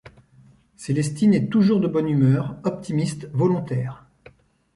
Célestine est toujours de bonne humeur, optimiste, volontaire.